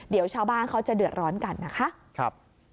เดี๋ยวชาวบ้านเขาจะเดือดร้อนกันนะคะ